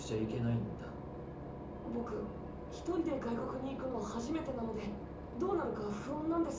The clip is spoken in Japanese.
ぼくひとりで外国に行くの初めてなのでどうなるか不安なんです。